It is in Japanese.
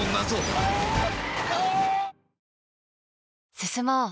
進もう。